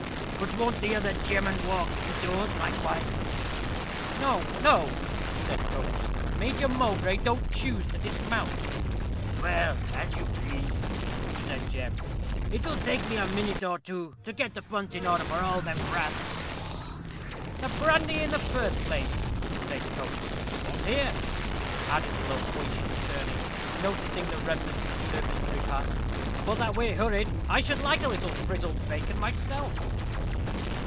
But won't the other gemman walk in doors likewise?" "No, no," said Coates; "Major Mowbray don't choose to dismount." "Well, as you please," said Jem. "It'll take me a minute or two to get the punt in order for all them prads." "The brandy in the first place," said Coates. "What's here?" added the loquacious attorney, noticing the remnants of Turpin's repast. "But that we're hurried, I should like a little frizzled bacon myself."